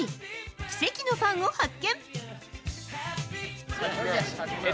奇跡のファンを発見。